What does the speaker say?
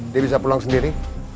dia bisa pulang sendiri